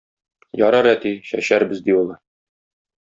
Ярар, әти, чәчәрбез, - ди улы.